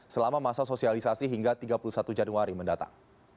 selama masa sosialisasi hingga tiga puluh satu januari mendatang